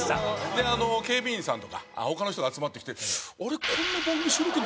で警備員さんとか他の人が集まってきて。